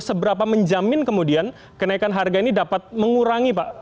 seberapa menjamin kemudian kenaikan harga ini dapat mengurangi pak